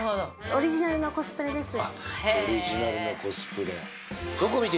オリジナルのコスプレ僕